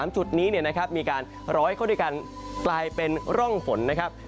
จุดนี้มีการร้อยเข้าด้วยกันกลายเป็นร่องฝนนะครับ